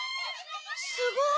すごい！